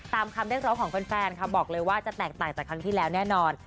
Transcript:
ตามคำเรียกร้องของแฟนค่ะบอกเลยว่าจะแตกต่างจากครั้งที่แล้วแน่นอน